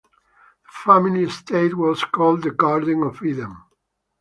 The family estate was called the "Garden of Eden".